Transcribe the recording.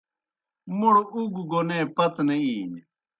موْڑ اُگوْ گوْنے پتہ نہ اِینیْ۔